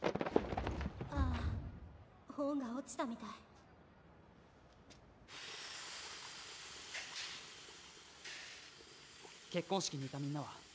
あ本が落ちたみたい結婚式にいたみんなは？